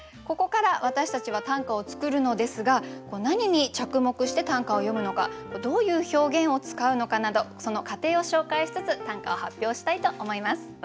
ここから私たちは短歌を作るのですが何に着目して短歌を詠むのかどういう表現を使うのかなどその過程を紹介しつつ短歌を発表したいと思います。